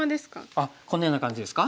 あっこのような感じですか？